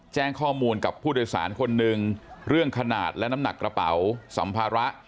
แจ้งข้อมูลกับผู้โดยสารคนหนึ่งเรื่องขนาดและน้ำหนักกระเป๋าสัมภาระ